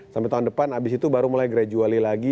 sampai tahun depan abis itu baru mulai gradually lagi